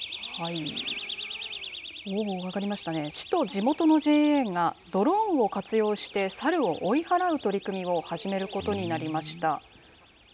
市と地元のＪＡが、ドローンを活用してサルを追い払う取り組みを始めることになりました。